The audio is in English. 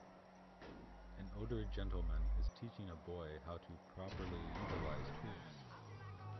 An older gentleman is teaching a boy how to properly utilize tools.